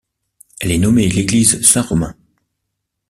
Elle est nommée l'église Saint-Romain.